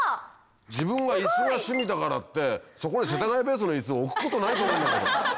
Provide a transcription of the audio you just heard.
自分が椅子が趣味だからってそこに世田谷ベースの椅子を置くことないと思うんだけど。